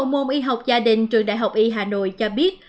môn y học gia đình trường đại học y hà nội cho biết